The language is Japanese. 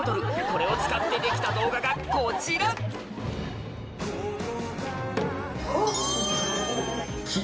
これを使って出来た動画がこちらキ。